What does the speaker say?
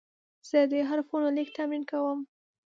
زه د حروفو لیک تمرین کوم.